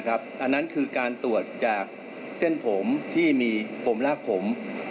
อันนั้นคือการตรวจจากเส้นผมที่มีปมลากผม